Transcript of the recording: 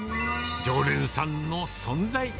常連さんの存在。